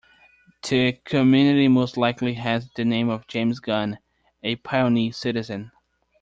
The community most likely has the name of James Gunn, a pioneer citizen.